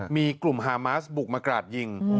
มีกลุ่มฮามาสบุกมากราดยิง